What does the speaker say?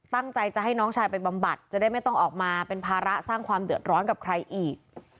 ตั้งใจจะให้น้องชายไปบำบัดจะได้ไม่ต้องออกมาเป็นภาระสร้างความเดือดร้อนกับใครอีก